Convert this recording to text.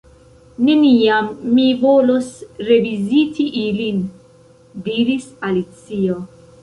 "Neniam mi volos reviziti ilin " diris Alicio.